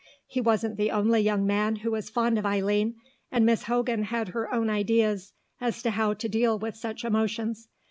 He wasn't the only young man who was fond of Eileen, and Miss Hogan had her own ideas as to how to deal with such emotions.